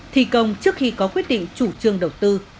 thi công trước khi có quyết định chủ trương đầu tư